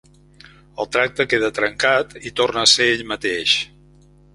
El tracte queda trencat, i torna a ser ell mateix.